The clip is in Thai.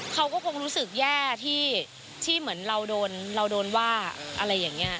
เขาก็คงรู้สึกแย่ที่เหมือนเราโดนเราโดนว่าอะไรอย่างนี้